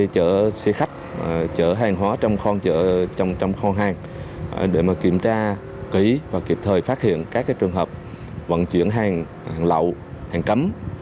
chở xe khách chở hàng hóa trong kho hàng để mà kiểm tra kỹ và kịp thời phát hiện các trường hợp vận chuyển hàng hàng lậu hàng cắm